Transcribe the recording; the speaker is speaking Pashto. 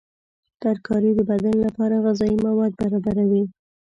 ترکاري د بدن لپاره غذایي مواد برابروي.